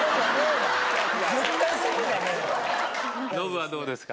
ノブはどうですか？